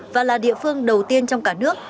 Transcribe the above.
và là địa phương đầu tiên trong cả nước